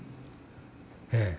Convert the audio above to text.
ええ。